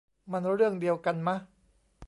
มันเรื่องเดียวกันมะ